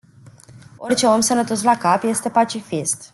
Orice om sănătos la cap este pacifist.